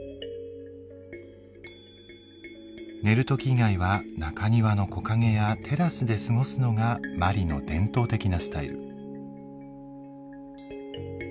寝る時以外は中庭の木陰やテラスで過ごすのがマリの伝統的なスタイル。